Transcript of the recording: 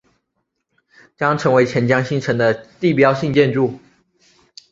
将成为钱江新城的地标性建筑。